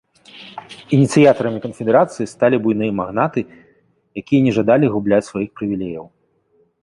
Ініцыятарамі канфедэрацыі сталі буйныя магнаты, не якія жадалі губляць сваіх прывілеяў.